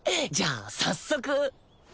じゃあ早速。